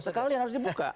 sekalian harus dibuka